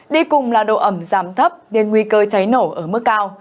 đi cùng là độ ẩm giảm thấp nên nguy cơ cháy nổ ở mức cao